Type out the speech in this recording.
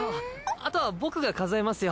あとは僕が数えますよ。